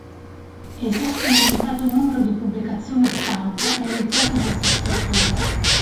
Esiste un limitato numero di pubblicazioni a stampa realizzate in questa scrittura.